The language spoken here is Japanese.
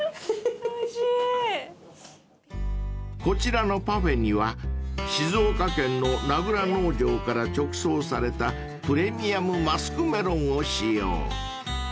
［こちらのパフェには静岡県の名倉農場から直送されたプレミアムマスクメロンを使用］